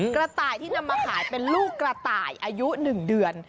กระต่ายที่นำมาขายเป็นลูกกระต่ายอายุ๑เดือน